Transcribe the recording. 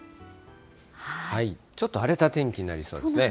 ちょっと荒れた天気になりそうですね。